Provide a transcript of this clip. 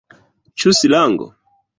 Ĉu slango?